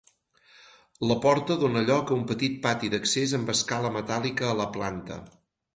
La porta dóna lloc a un petit pati d'accés amb escala metàl·lica a la planta.